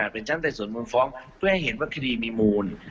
เพื่อให้เห็นว่าคดีมีมูล